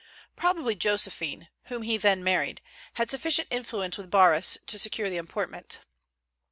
Probably Josephine, whom he then married, had sufficient influence with Barras to secure the appointment.